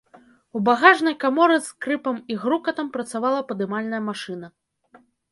У багажнай каморы з скрыпам і грукатам працавала падымальная машына.